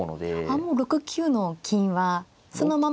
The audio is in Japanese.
あもう６九の金はそのままでも。